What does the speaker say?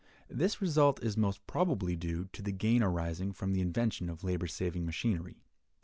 This result is most probably due to the gain arising from the invention of labor saving machinery.